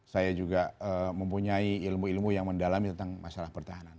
saya juga mempunyai ilmu ilmu yang mendalami tentang masalah pertahanan